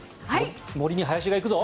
森に林が行くぞ！